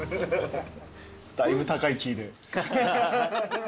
だいぶ高いキーで。